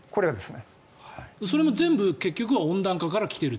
それも全部結局は温暖化から来てると。